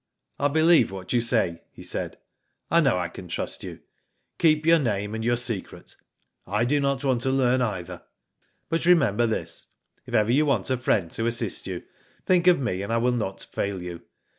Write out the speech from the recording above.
I believe what you say," he said. " I know I can trust you. Keep your name and your secret, I do not want to learn either. But remembe* Digitized byGoogk MUNDA. 49 this, if ever you want a friend to assist you, think of me and I will not fail you.